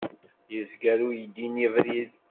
Yezger uydi-nni abrid.